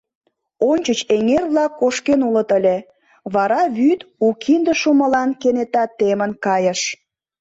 Ончыч эҥер-влак кошкен улыт ыле. вара вӱд у кинде шумылан кенета темын кайыш.